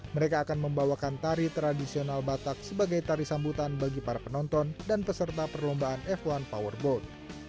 mereka akan membawakan tari tradisional batak sebagai tari sambutan bagi para penonton dan peserta perlombaan f satu powerboat